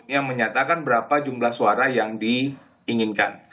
yang menyatakan berapa jumlah suara yang diinginkan